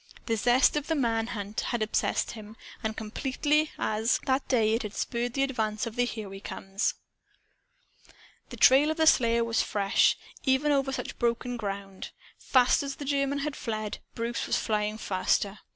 The zest of the man hunt had obsessed him, as completely as, that day, it had spurred the advance of the "Here We Comes." The trail of the slayer was fresh, even over such broken ground. Fast as the German had fled, Bruce was flying faster.